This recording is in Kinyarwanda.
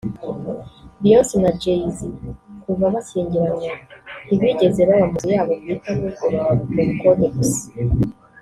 Beyonce na Jay Z kuva bashyingiranwa ntibigeze baba mu nzu yabo bwite ahubwo baba mu bukode gusa